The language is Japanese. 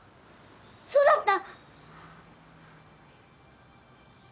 そうだった！